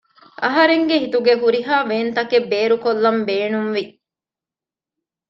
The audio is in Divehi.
އަހަރެންގެ ހިތުގެ ހުރިހާވޭންތަކެއް ބޭރުކޮއްލަން ބޭނުންވި